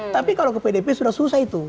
tapi kalau ke pdp sudah susah itu